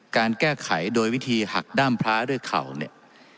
การแก้ไขโดยวิธีหักด้ามพระด้วยเข่าเนี่ย